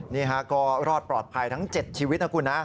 นี่ฮะก็รอดปลอดภัยทั้ง๗ชีวิตนะคุณนะ